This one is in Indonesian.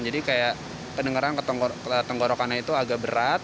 jadi kayak pendengaran ketenggorokan itu agak berat